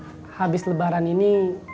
rika habis lebaran ini